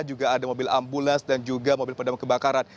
juga ada mobil ambulans dan juga mobil pemadam kebakaran